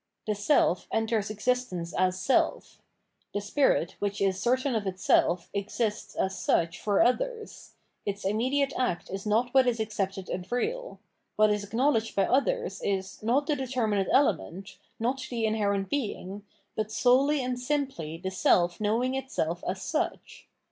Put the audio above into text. The self enters existence as self. The spirit which is certain of itself exists as such for others ; its immediate Conscience 661 act is not what is accepted and real ; what is acknow ledged by others is, not the determinate element, not the inherent being, but solely and simply the self know ing itself as such.